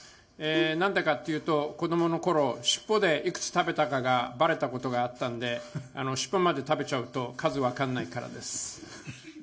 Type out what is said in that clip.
なんでかっていうと、子どものころ、尻尾でいくつ食べたかがばれたことがあったんで、尻尾まで食べちゃうと、数分からないからです。